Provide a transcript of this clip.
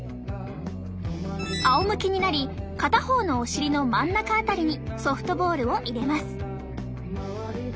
あおむけになり片方のお尻の真ん中辺りにソフトボールを入れます。